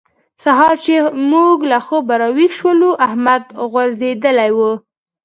سهار چې موږ له خوبه راويښ شولو؛ احمد غورځېدلی وو.